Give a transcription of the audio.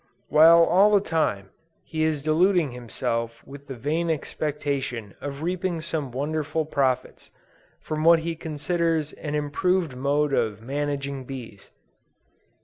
while all the time, he is deluding himself with the vain expectation of reaping some wonderful profits, from what he considers an improved mode of managing bees.